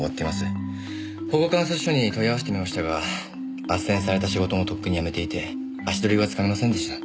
保護観察所に問い合わせてみましたが斡旋された仕事もとっくに辞めていて足取りはつかめませんでした。